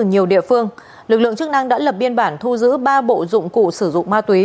ở nhiều địa phương lực lượng chức năng đã lập biên bản thu giữ ba bộ dụng cụ sử dụng ma túy